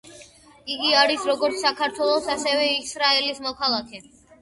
იგი არის როგორც საქართველოს, ასევე ისრაელის მოქალაქე.